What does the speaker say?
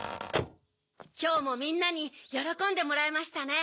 きょうもみんなによろこんでもらえましたね。